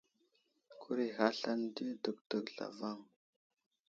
Kuray ghay aslane di dəkdək zlavaŋ.